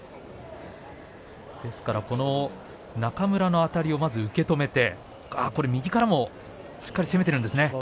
中村のあたりを受け止めて右からもしっかり攻めているんですね。